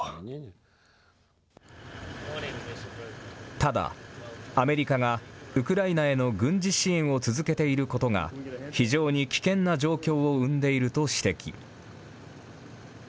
ただ、アメリカがウクライナへの軍事支援を続けていることが、非常に危険な状況を生んでいると指摘。